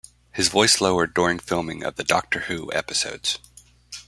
His voice lowered during filming of the "Doctor Who" episodes.